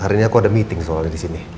hari ini aku ada meeting soalnya disini